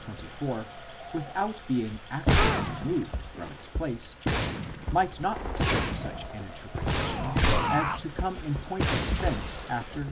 24, without being actually moved from its place, might not receive such an interpretation as to come in point of sense after v.